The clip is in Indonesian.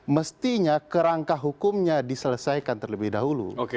mestinya kerangka hukumnya diselesaikan terlebih dahulu